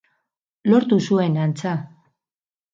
Lortu zuen, antza.